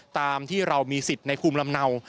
ตามที่เรามีสิทธิ์ในภูมิลำเนา